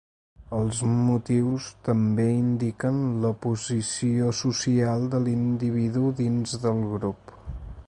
Els motius també indiquen la posició social de l'individu dins del grup.